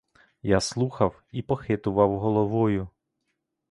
Я слухав і похитував головою.